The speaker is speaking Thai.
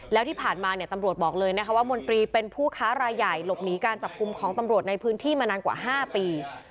แล้วที่ผ่านมาเนี่ยตำรวจบอกเลยนะคะว่ามนตรีเป็นผู้ค้ารายใหญ่หลบหนีการจับกลุ่มของตำรวจในพื้นที่มานานกว่า๕ปี